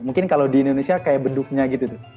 mungkin kalau di indonesia kayak beduknya gitu tuh